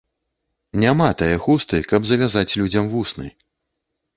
Няма тае хусты, каб завязаць людзям вусны